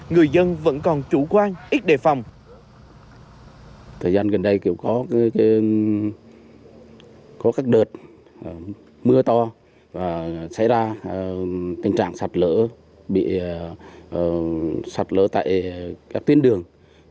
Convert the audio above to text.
người dân vẫn còn chủ quan ít đề phòng